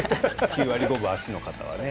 ９割５分脚の方はね。